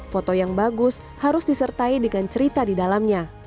foto yang bagus harus disertai dengan cerita di dalamnya